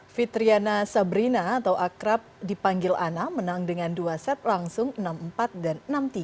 fitriana sabrina atau akrab dipanggil ana menang dengan dua set langsung enam empat dan enam tiga